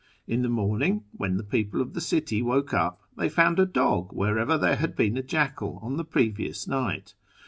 In tlie morning, when the people of the city woke up, they found a dog wherever there had been a jackal on the previous night.